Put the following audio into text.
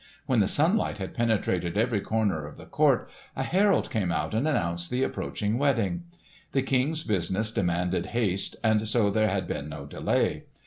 When the sunlight had penetrated every corner of the court a herald came out and announced the approaching wedding. The King's business demanded haste and so there had been no delay.